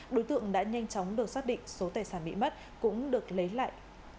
đối tượng đã nhanh chóng được xác định số tài sản bị mất cũng được lấy lại